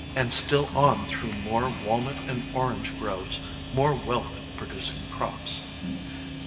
And still on through more walnut and orange groves, more wealth producing crops.